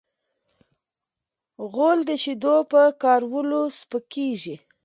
غول د شیدو په کارولو سپکېږي.